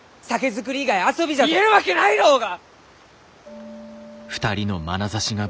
言えるわけないろうが！